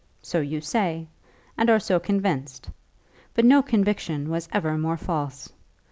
So you say, and are so convinced; but no conviction was ever more false.